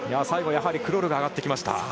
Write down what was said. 最後、クロルが上がってきました。